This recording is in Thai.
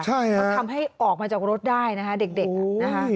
มันทำให้ออกมาจากรถได้นะคะเด็กนะคะ